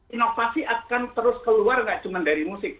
inovasi akan terus keluar nggak cuma dari musik